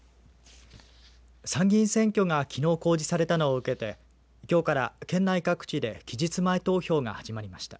参議院選挙がきのう公示されたのを受けてきょうから県内各地で期日前投票が始まりました。